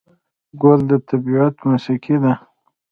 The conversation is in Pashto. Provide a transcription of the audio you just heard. ګل د طبیعت موسیقي ده.